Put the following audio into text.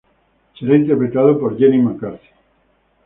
Será interpretada por Jenny McCarthy.